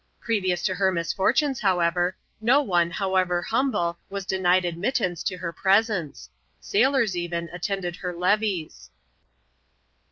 Previous to her misfortunes, however, no one, however humble, was denied admittance to her presence ; sailors, even, attended her levees.